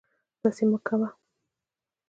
داسې مکوه